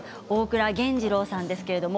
大倉源次郎さんです。